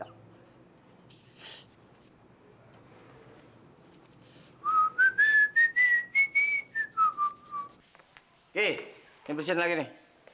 eh ini bersihkan lagi nih